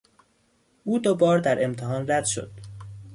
او دوبار در امتحان رد شد.